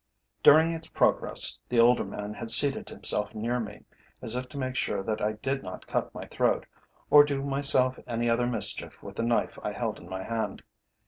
During its progress the older man had seated himself near me, as if to make sure that I did not cut my throat, or do myself any other mischief with the knife I held in my hand.